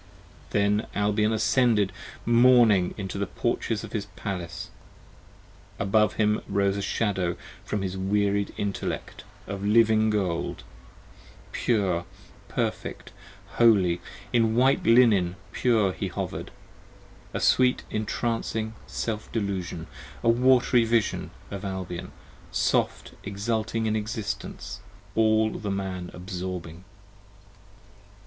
Then Albion ascended mourning into the porches of his Palace: Above him rose a Shadow from his wearied intellect Of living gold, pure, perfect, holy ; in white linen pure he hover'd, A sweet entrancing self delusion, a wat'ry vision of Albion, 40 Soft exulting in existence; all the Man absorbing.